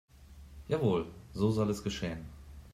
Jawohl, so soll es geschehen.